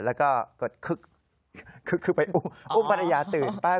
แล้วก็คึกไปอุ้มภรรยาตื่นไป